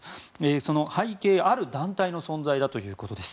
その背景はある団体の存在だということです。